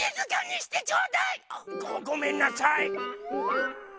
ごめんなさい。